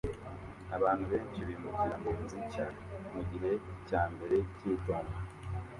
Abantu benshi bimukira munzu nshya mugihe cyambere cyitumba